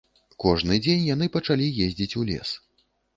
Кожны дзень яны пачалі ездзіць у лес.